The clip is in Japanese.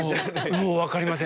もう分かりません。